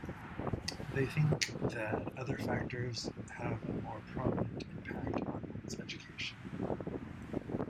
They think that other factors have a more prominent impact on one's education.